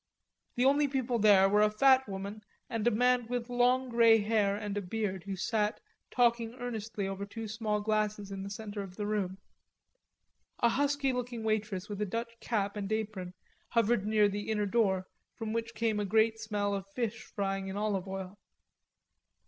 The only people there were a fat woman and a man with long grey hair and beard who sat talking earnestly over two small glasses in the center of the room. A husky looking waitress with a Dutch cap and apron hovered near the inner door from which came a great smell of fish frying in olive oil.